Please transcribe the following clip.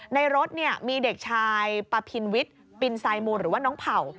ในรถมีเด็กชายปะพินวิทย์ปินไซมูลหรือว่าน้องเผ่า